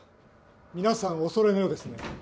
皆さんお揃いのようですね。